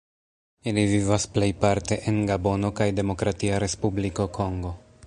Ili vivas plejparte en Gabono kaj Demokratia Respubliko Kongo.